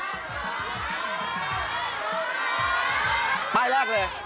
เสาคำยันอาวุธิ